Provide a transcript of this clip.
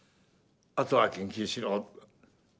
「あとは研究しろ」って。